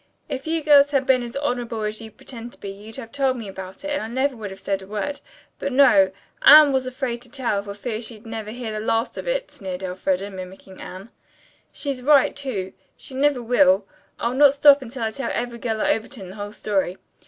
If you girls had been as honorable as you pretend to be you'd have told me about it and I never would have said a word. But, no, Anne was afraid to tell, for fear she'd 'never hear the last of it,'" sneered Elfreda, mimicking Anne. "She's right, too. She never will. I'll not stop until I tell every girl at Overton the whole story.